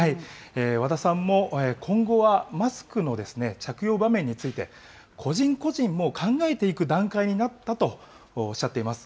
和田さんも今後はマスクの着用場面について、個人個人も考えていく段階になったとおっしゃっています。